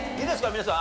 皆さん。